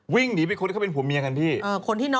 วิ่งหนีไปก็เป็นผู้มียกันที่